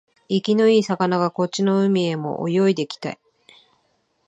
生きのいい魚がこっちの海へも泳いできて、